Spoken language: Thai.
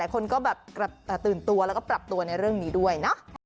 คนก็แบบตื่นตัวแล้วก็ปรับตัวในเรื่องนี้ด้วยนะ